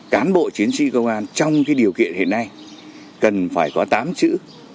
cán bộ chiến sĩ công an trong điều kiện hiện nay cần phải có tám chữ